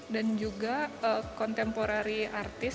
dan juga kontemporari artis